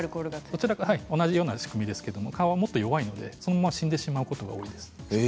同じような仕組みですけど蚊はもっと弱いのでそのまま死んでしまうことも多いです。